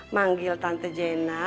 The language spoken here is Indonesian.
manggil tante jena